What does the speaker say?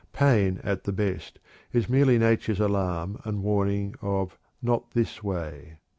Pain at the best is merely nature's alarm and warning of "not this way."